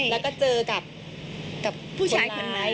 แล้วก็เจอกับผู้ชายคนนั้น